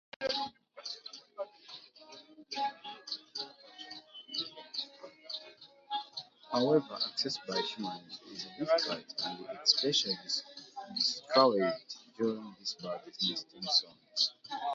However, access by humans is difficult, and especially discouraged during the birds' nesting season.